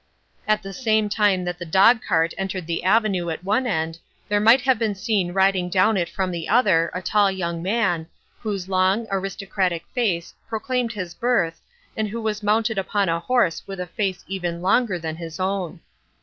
At the same time that the dogcart entered the avenue at one end there might have been seen riding down it from the other a tall young man, whose long, aristocratic face proclaimed his birth and who was mounted upon a horse with a face even longer than his own.